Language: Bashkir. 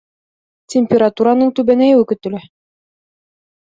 Температураның түбәнәйеүе көтөлә